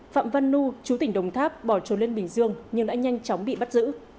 phạm văn nu chú tỉnh đồng tháp bỏ trốn lên bình dương nhưng đã nhanh chóng bị bắt giữ